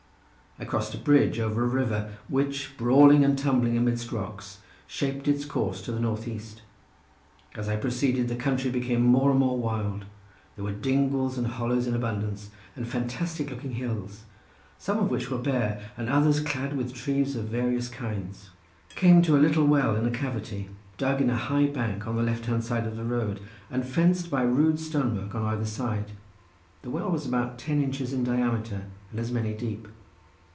I crossed a bridge over a river which brawling and tumbling amidst rocks shaped its course to the north east. As I proceeded the country became more and more wild; there were dingles and hollows in abundance, and fantastic looking hills some of which were bare and others clad with trees of various kinds. Came to a little well in a cavity dug in a high bank on the left hand side of the road, and fenced by rude stone work on either side; the well was about ten inches in diameter, and as many deep.